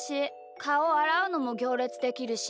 かおあらうのもぎょうれつできるし。